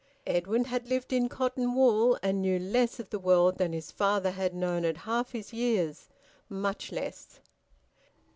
Edwin had lived in cotton wool, and knew less of the world than his father had known at half his years; much less.